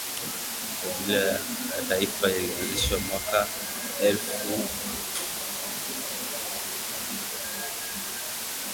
redio ya taifa ilianzishwa mwaka elfu moja mia tisa sabini